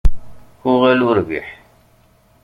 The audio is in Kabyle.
Uɣal urbiḥ!